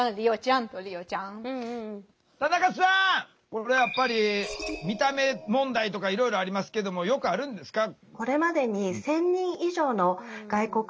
これやっぱり見た目問題とかいろいろありますけどもよくあるんですか？